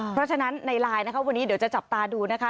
เพราะฉะนั้นในไลน์นะคะวันนี้เดี๋ยวจะจับตาดูนะคะ